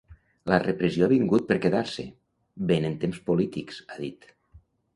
La repressió ha vingut per quedar-se, vénen temps polítics, ha dit.